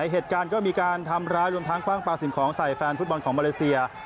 เหตุการณ์ก็มีการทำร้ายรวมทั้งคว่างปลาสิ่งของใส่แฟนฟุตบอลของมาเลเซีย